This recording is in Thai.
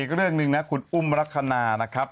อีกเรื่องหนึ่งนะคุณอุ้มลักษณะนะครับ